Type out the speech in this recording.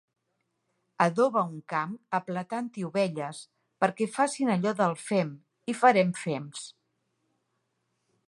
Adoba un camp apletant-hi ovelles, perquè facin allò del fem i farem fems.